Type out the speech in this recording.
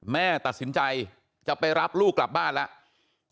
แม่ตัดสินใจจะไปรับลูกกลับบ้านแล้ว